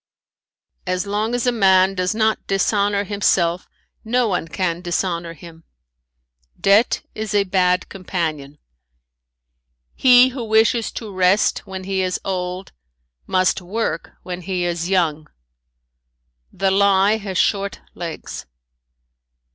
"As long as a man does not dishonor himself no one can dishonor him. "Debt is a bad companion. "He who wishes to rest when he is old must work when he is young. "The lie has short legs.